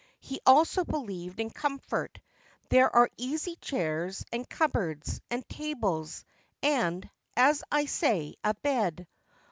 He also believed in comfort. There are easy chairs, and cupboards, and tables, and, as I say, a bed.